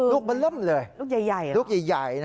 ลูกบะเริ่มเลยลูกใหญ่